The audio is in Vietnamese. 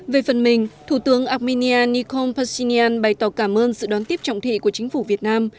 về phần mình thủ tướng armenia nikol pashinyan bày tỏ cảm ơn sự đón tiếp trọng thị của chính phủ việt nam